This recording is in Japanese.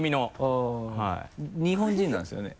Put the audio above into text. あっ日本人なんですよね？